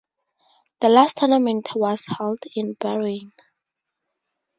The last tournament was held in Bahrain.